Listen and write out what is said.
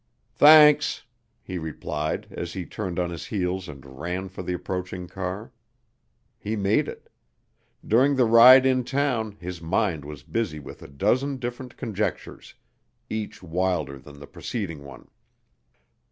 "Thanks," he replied as he turned on his heels and ran for the approaching car. He made it. During the ride in town his mind was busy with a dozen different conjectures, each wilder than the preceding one.